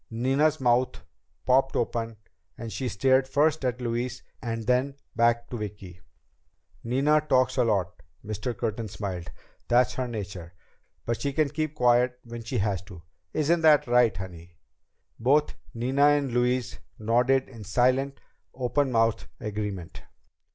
Nina's mouth popped open and she stared first at Louise and then back to Vicki. "Nina talks a lot." Mr. Curtin smiled. "That's her nature. But she can keep quiet when she has to. Isn't that right, honey?" Both Nina and Louise nodded in silent, open mouthed agreement.